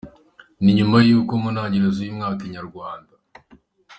Ni nyuma y’uko mu ntangiriro z’uyu mwaka, inyarwanda.